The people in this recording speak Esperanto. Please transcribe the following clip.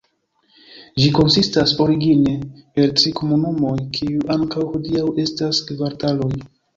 Ĝi konsistas origine el tri komunumoj, kiuj ankaŭ hodiaŭ estas kvartaloj.